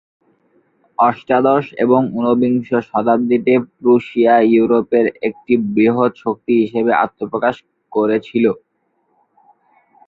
অষ্টাদশ এবং ঊনবিংশ শতাব্দীতে প্রুশিয়া ইউরোপের একটি বৃহৎ শক্তি হিসেবে আত্মপ্রকাশ করেছিল।